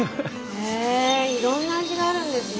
へえいろんな味があるんですね。